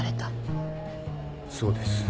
そうです。